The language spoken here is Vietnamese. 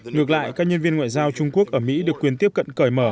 ngược lại các nhân viên ngoại giao trung quốc ở mỹ được quyền tiếp cận cởi mở